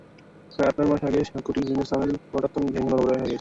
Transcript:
প্রায় আট-নয় মাস আগে সাঁকোটির বিভিন্ন স্থানে পাটাতন ভেঙে নড়বড়ে হয়ে গেছে।